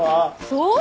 そう？